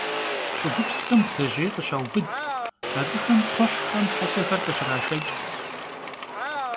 Ş'ıgupsxem bdzejêy khışaubıd, abıxem kxhuhxem helhexer khışraşşeç'.